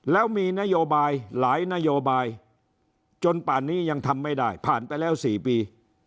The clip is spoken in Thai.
แล้วมีนโยบายหลายนโยบายจนป่านนี้ยังทำไม่ได้ผ่านไปแล้ว๔ปี